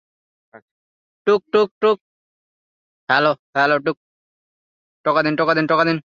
এই স্থানটিতে কিছু ঐতিহ্যবাহী বাংলো, বৃক্ষ, বৃহৎ চত্বর এবং সমুদ্র সৈকত রয়েছে।